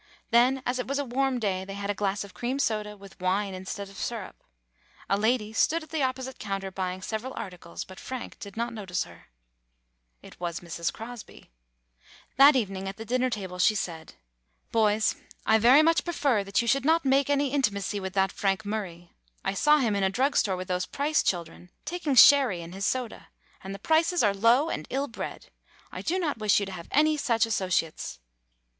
Then, as it was a warm day, they had a glass of cream soda, with wine instead of syrup. A lady stood at the opposite counter buying several articles, but Frank did not no tice her. [ 109 ] AN EASTER LILY It was Mrs. Crosby. That evening at the table she said : "Boys, I very much prefer that you should not make any intimacy with that Frank Murray. I saw him in a drug store with those Price children, taking sherry in his soda; and the Prices are low and ill bred. I do not wish you to have any such associates."